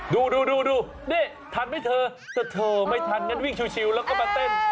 ดูดูนี่ทันให้เธอแต่เธอไม่ทันงั้นวิ่งชิวแล้วก็มาเต้น